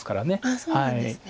あっそうなんですね。